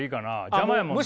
邪魔やもんな。